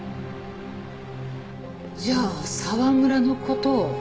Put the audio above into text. じゃあ沢村の事を？